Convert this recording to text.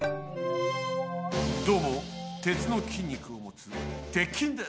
どうも鉄の筋肉をもつ鉄筋です。